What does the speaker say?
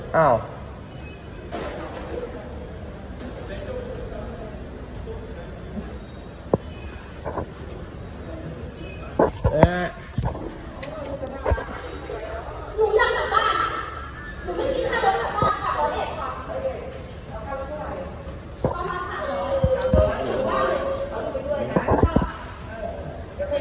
มาหนึ่งปุ๊บไม่อาจจะได้กลาดด่วน